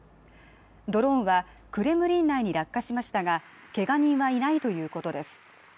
ドローンはクレムリン内に落下しましたが、けが人はいないということです。